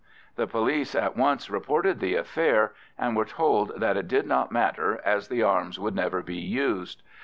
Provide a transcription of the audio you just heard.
The police at once reported the affair, and were told that it did not matter as the arms would never be used.